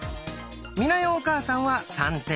美奈代お母さんは３点。